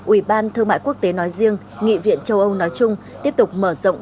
ủy ban thương mại quốc tế nói riêng nghị viện châu âu nói chung tiếp tục mở rộng